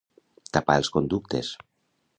Tapar els conductes.